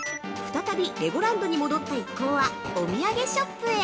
再びレゴランドに戻った一行はお土産ショップへ。